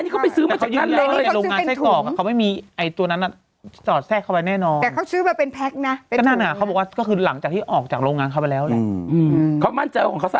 ก็แล้วแต่อนาทธนสนะแต่ไม่เขา